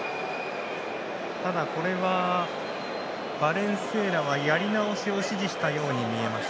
ただ、これはバレンスエラはやり直しを指示したように見えます。